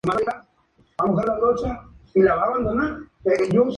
Cordeiro nació en Roma, Italia de un padre brasileño y una madre italiana.